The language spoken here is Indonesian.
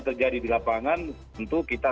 terjadi di lapangan tentu kita